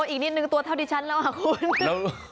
อีกนิดนึงตัวเท่าที่ฉันแล้วค่ะคุณ